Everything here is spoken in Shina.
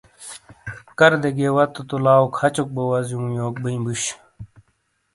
کردے گئے واتوں تو لاؤ کھچوک بو وزیوں یوک بئیں بوش۔